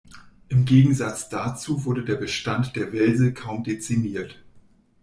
Im Gegensatz dazu wurde der Bestand der Welse kaum dezimiert.